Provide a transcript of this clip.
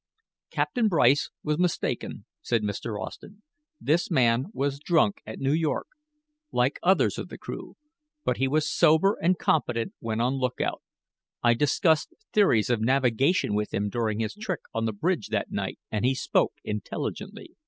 "Captain Bryce was mistaken," said Mr. Austen. "This man was drunk at New York, like others of the crew. But he was sober and competent when on lookout. I discussed theories of navigation with him during his trick on the bridge that night and he spoke intelligently."